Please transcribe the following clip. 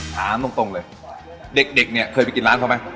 ถามตรงเลยเด็กเนี่ยเคยไปกินร้านเขาไหม